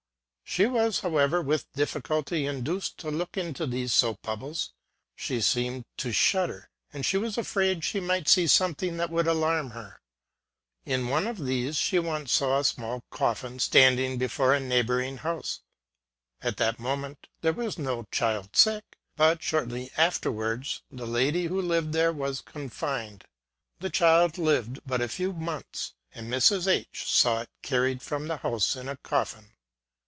She was^ how ever, with difficulty induced to look into these soap bubbles : she seemed to shudder, and she was afraid she might see something that would alarm her. In one of these she once saw a small coffin, standing before a neighbouring house. At that time there was no child sick, but, shortly afterwards, the lady who lived there was confined. The child lived but a few months, and Mrs. H saw it carried from the house in a coffin.